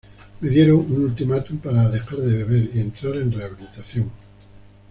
Me dieron un ultimátum para dejar de beber y entrar en rehabilitación.